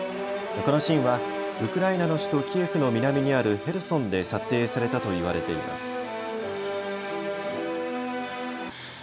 このシーンはウクライナの首都キエフの南にあるヘルソンで撮影されたといわれています。